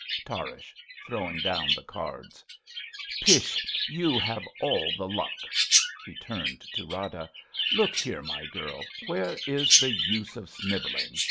Tarrasch {throwing doton the cards). Pish ! You have all the luck. {He turns to Rada) Look here, my girl, where is the use of snivelling?